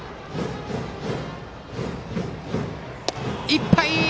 いっぱい！